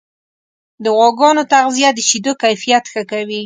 د غواګانو تغذیه د شیدو کیفیت ښه کوي.